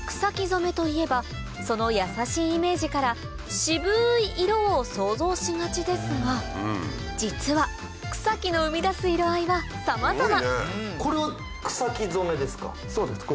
染めといえばそのやさしいイメージから渋い色を想像しがちですが実は草木の生み出す色合いはさまざまこれは草木染めですか？